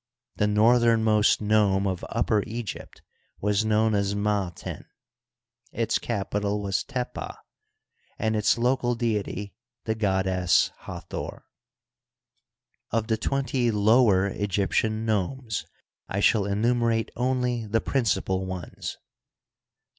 The northernmost nome of Upper Egypt was known as Mdten, Its capital was Tepah, and its local deity the goddess Hathor, Of the twenty Lower Egyptian nomes I shall enumer ate only the principal ones : I.